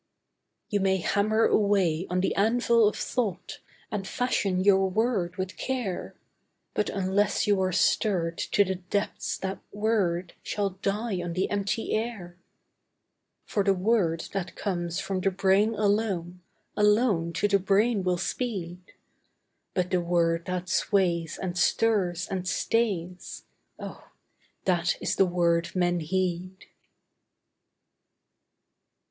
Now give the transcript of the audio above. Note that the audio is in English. You may hammer away on the anvil of thought, And fashion your word with care, But unless you are stirred to the depths, that word Shall die on the empty air. For the word that comes from the brain alone, Alone to the brain will speed; But the word that sways, and stirs, and stays, Oh! that is the word men heed.